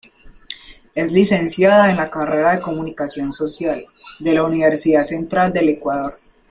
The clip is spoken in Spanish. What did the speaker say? Es Licenciada en la carrera de Comunicación Social de la Universidad Central del Ecuador.